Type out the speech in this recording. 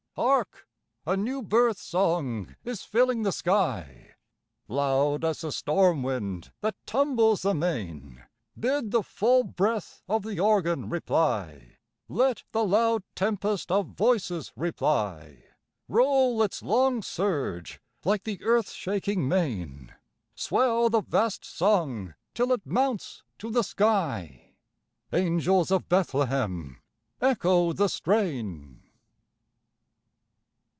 Hark! a new birth song is filling the sky! Loud as the storm wind that tumbles the main Bid the full breath of the organ reply, Let the loud tempest of voices reply, Roll its long surge like the earth shaking main! Swell the vast song till it mounts to the sky! Angels of Bethlehem, echo the strain!